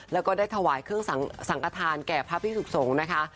แล้วก็ได้ถวายเครื่องสังกฐานแก่พระพิสุขสงฆ์นะคะ